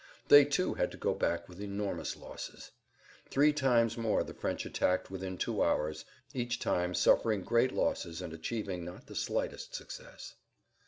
They, too, had to go back with enormous losses. Three times more the French attacked within two hours, each time suffering great losses and achieving not the slightest success.